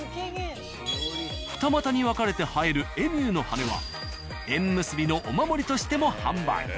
二股に分かれて生えるエミューの羽は縁結びのお守りとしても販売。